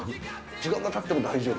時間がたっても大丈夫。